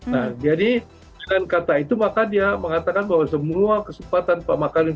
nah jadi dengan kata itu maka dia mengatakan bahwa semua kesempatan pak makarim